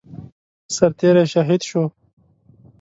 سرتيری شهید شو